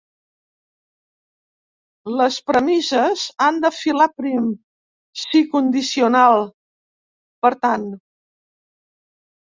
Les premisses han de filar prim; si condicional, per tant.